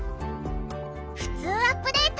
「ふつうアップデート」